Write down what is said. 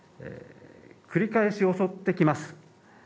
繰り返し襲ってきます。